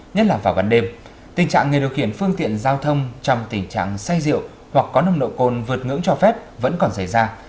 nhất là vào ban đêm tình trạng người điều khiển phương tiện giao thông trong tình trạng say rượu hoặc có nồng độ cồn vượt ngưỡng cho phép vẫn còn xảy ra